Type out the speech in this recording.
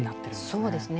そうですね。